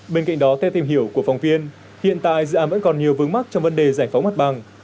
bên cạnh đó theo tìm hiểu của phóng viên hiện tại dự án vẫn còn nhiều vướng mắt trong vấn đề giải phóng mặt bằng